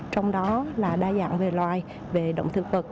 trong đó là đa dạng về loài về động thực vật